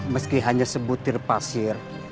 meski hanya sebutir pasir